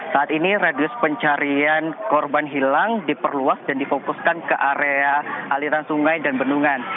saat ini radius pencarian korban hilang diperluas dan difokuskan ke area aliran sungai dan bendungan